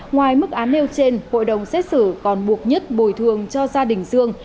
ngoài mức án nêu trên hội đồng xét xử còn buộc nhất bồi thường cho gia đình dương